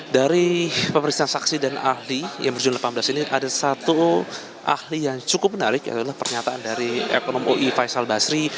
dari pemeriksaan saksi dan ahli yang berjudul delapan belas ini ada satu ahli yang cukup menarik adalah pernyataan dari ekonom ui faisal basri